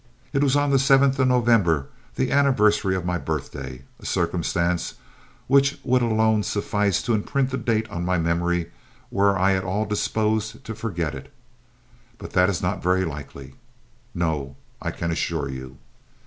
It was on the seventh of November, the anniversary of my birthday, a circumstance which would alone suffice to imprint the date on my memory were I at all disposed to forget it. But that is not very likely. No, I can assure you.